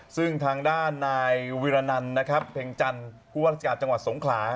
ซึ่งทางด้านนายวิรณันแผงจันทร์ภูมิศาสตร์จังหวัดสงขลา